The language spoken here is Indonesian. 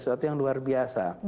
sesuatu yang luar biasa